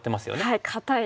はい。